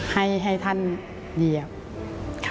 ให้ท่านเหยียบค่ะ